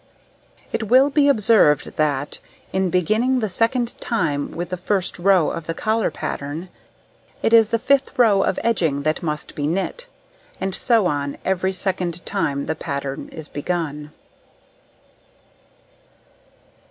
It will be observed that, in beginning the second time with the first row of the collar pattern, it is the fifth row of edging which must be knit, and so on every second time the pattern is begun.